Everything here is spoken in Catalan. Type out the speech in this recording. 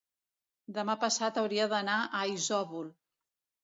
demà passat hauria d'anar a Isòvol.